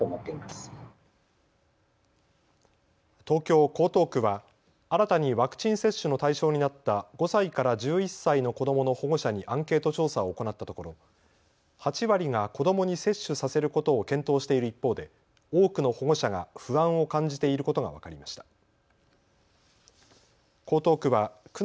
東京江東区は新たにワクチン接種の対象になった５歳から１１歳の子どもの保護者にアンケート調査を行ったところ８割が子どもに接種させることを検討している一方で多くの保護者が不安を感じていることが分かりました。